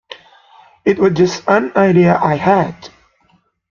It was just an idea I had.